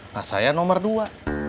nah saya nomor dua